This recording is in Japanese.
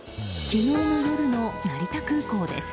昨日の夜の成田空港です。